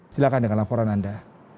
silahkan dengan laporan anda